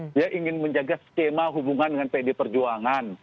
dia ingin menjaga skema hubungan dengan pd perjuangan